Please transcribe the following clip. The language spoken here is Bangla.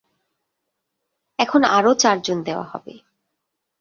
এখন আরও চারজন দেওয়া হবে।